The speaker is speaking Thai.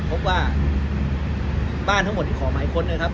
พบว่าบ้านทั้งหมดที่ขอหมายค้นนะครับ